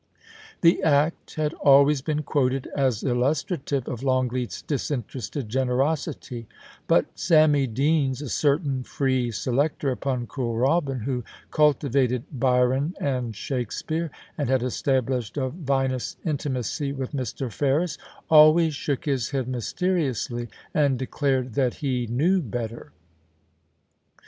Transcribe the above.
The act had always been quoted as illustrative of Longleat's disinterested generosity ; but Sammy Deans, a certain free selector upon Kooralbyn, who cultivated Byron and Shakespeare, and had established a vinous inti macy with Mr. Ferris, always shook his head mysteriously, and declared that he knew better.